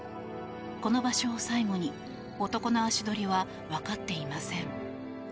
この場所を最後に男の足取りは分かっていません。